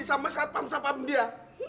sama satpam satpam dia